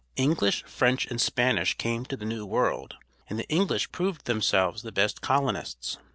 English, French, and Spanish came to the new world, and the English proved themselves the best colonists.